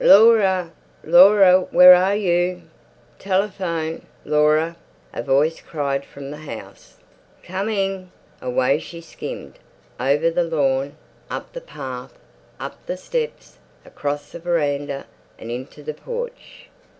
"Laura, Laura, where are you? Telephone, Laura!" a voice cried from the house. "Coming!" Away she skimmed, over the lawn, up the path, up the steps, across the veranda, and into the porch.